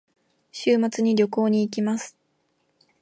週末に旅行に行きます。